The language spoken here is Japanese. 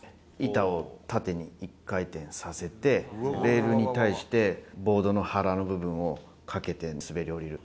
板を縦に１回転させて、レールに対して、ボードの腹の部分をかけて滑り降りる。